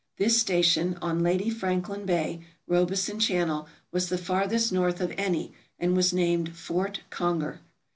This station, on Lady Franklin Bay, Robeson Channel, was the farthest north of any, and was named Fort Conger.